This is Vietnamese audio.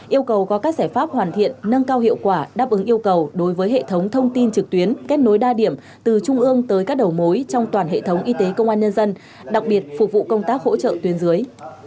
yêu cầu có các giải pháp hoàn thiện nâng cao hiệu quả đáp ứng yêu cầu đối với hệ thống thông tin trực tuyến kết nối đa điểm từ trung ương tới các đầu mối trong toàn hệ thống y tế công an nhân dân đặc biệt phục vụ công tác hỗ trợ tuyên dưới